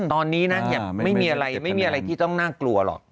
ตอนนี้นะไม่มีอะไรที่ต้องน่ากลัวหรอก